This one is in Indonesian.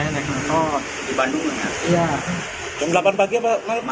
jam delapan pagi apa